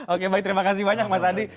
oke baik terima kasih banyak mas adi